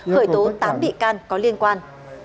khởi tố tám bị can có liên quan